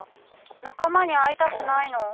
仲間に会いたくないの？